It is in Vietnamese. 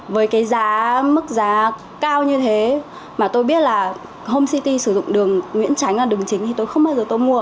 với cái giá mức giá cao như thế mà tôi biết là home city sử dụng đường nguyễn tránh là đường chính thì tôi không bao giờ tôi mua